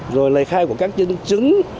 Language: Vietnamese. rồi lời khai của các chứng chứng